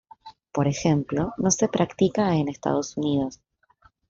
Por ejemplo, no se practica en Estados Unidos.